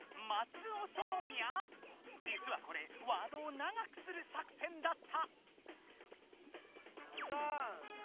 じつはこれワードを長くする作戦だった！